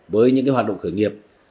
với những hoạt động khởi nghiệp